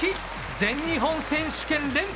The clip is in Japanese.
全日本選手権連覇。